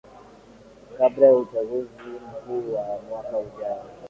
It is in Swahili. kabla ya uchaguzi mkuu wa mwaka ujao